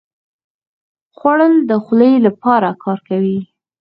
خوړل د خولې لپاره کار کوي